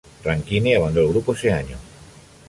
Rankine abandonó el grupo ese año.